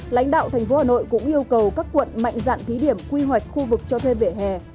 lãnh đạo thành phố hà nội cũng yêu cầu các quận mạnh dạn thí điểm quy hoạch khu vực cho thuê vỉa hè